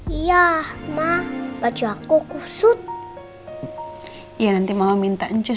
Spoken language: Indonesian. iya semua katanya perasaan yang penting jelas